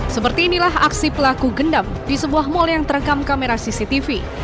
seperti inilah aksi pelaku gendam di sebuah mal yang terekam kamera cctv